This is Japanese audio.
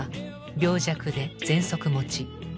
病弱でぜんそく持ち。